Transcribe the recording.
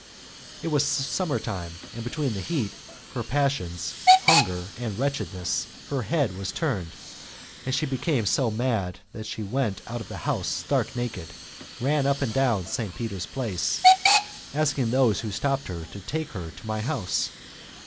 It was summer time, and between the heat, her passions, hunger, and wretchedness, her head was turned, and she became so mad that she went out of the house stark naked, and ran up and down St. Peter's Place, asking those who stopped her to take her to my house.